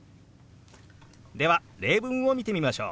では例文を見てみましょう。